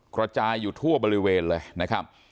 กระจายอยู่ทั่วบริเวณเลยนะครับ